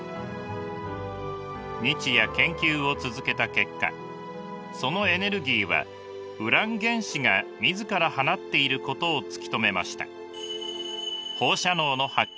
日夜研究を続けた結果そのエネルギーはウラン原子が自ら放っていることを突き止めました。